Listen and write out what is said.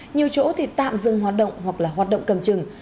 nhiều chỗ thì tạm dừng hoạt động hoặc là hoạt động cầm chừng